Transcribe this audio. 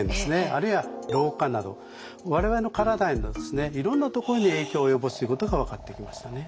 あるいは老化など我々の体へのいろんなところに影響を及ぼすということが分かってきましたね。